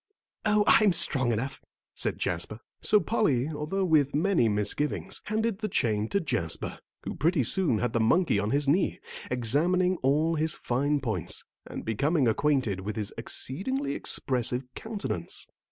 "Oh, I'm strong enough," said Jasper. So Polly, although with many misgivings, handed the chain to Jasper, who pretty soon had the monkey on his knee, examining all his fine points, and becoming acquainted with his exceedingly expressive countenance.